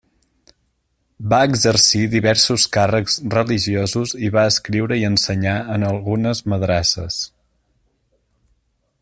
Va exercir diversos càrrecs religiosos i va escriure i ensenyar en algunes madrasses.